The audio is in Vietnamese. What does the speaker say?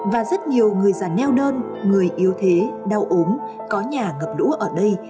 và rất nhiều người già neo đơn người yếu thế đau ốm có nhà ngập lũ ở đây